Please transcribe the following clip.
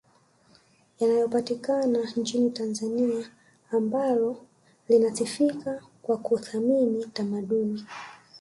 yanayopatikana nchini Tanzania ambalo linasifika kwa kuthamini tamaduni